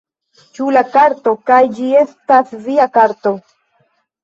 Ĉu la karto... kaj ĝi estas via karto...